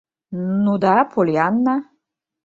— Ну д-да, Поллианна.